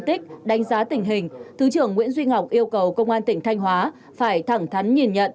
tích đánh giá tình hình thứ trưởng nguyễn duy ngọc yêu cầu công an tỉnh thanh hóa phải thẳng thắn nhìn nhận